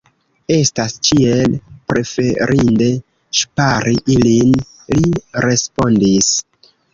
Estas ĉiel preferinde ŝpari ilin, li respondis.